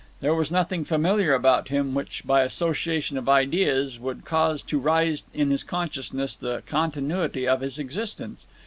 There was nothing familiar about him, which, by association of ideas, would cause to rise in his consciousness the continuity of his existence.